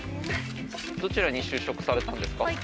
どちらに就職されたんですか？